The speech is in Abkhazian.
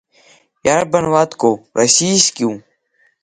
Иарбан уаткоу, Россискиу?